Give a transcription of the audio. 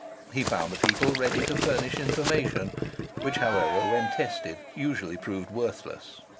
He found the people ready to furnish information, which, however, when tested, usually proved worthless.